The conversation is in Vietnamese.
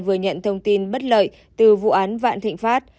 vừa nhận thông tin bất lợi từ vụ án vạn thịnh pháp